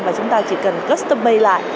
và chúng ta chỉ cần custom made lại